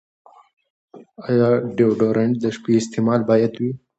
ایا ډیوډرنټ د شپې استعمال باید وي؟